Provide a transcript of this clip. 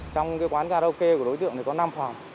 trong quán karaoke của đối tượng có năm phòng